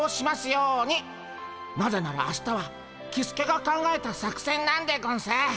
なぜなら明日はキスケが考えた作戦なんでゴンス。